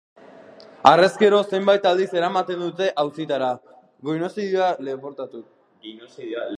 Harrezkero, zenbait aldiz eraman dute auzitara, genozidioa leporatuta.